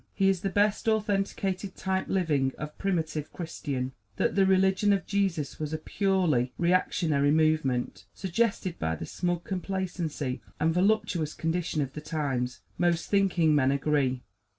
He is the best authenticated type living of primitive Christian. That the religion of Jesus was a purely reactionary movement, suggested by the smug complacency and voluptuous condition of the times, most thinking men agree.